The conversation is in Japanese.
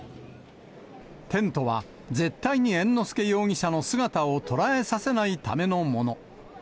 テントは、絶対に猿之助容疑者の姿を捉えさせないためのもの。